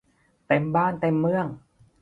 เต็มบ้านเต็มเมือง